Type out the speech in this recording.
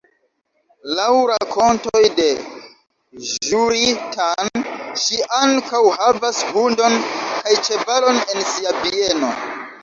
Laŭ rakontoj de Ĵuri-tan, ŝi ankaŭ havas hundon kaj ĉevalon en sia bieno.